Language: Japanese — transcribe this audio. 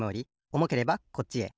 おもければこっち。